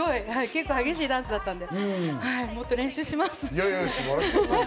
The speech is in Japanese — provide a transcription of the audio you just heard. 結構、激しいダンスだったんで、もっと練習します。